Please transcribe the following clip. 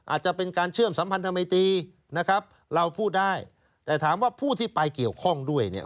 อาจจะเป็นการเชื่อมสัมพันธมิตีนะครับเราพูดได้แต่ถามว่าผู้ที่ไปเกี่ยวข้องด้วยเนี่ย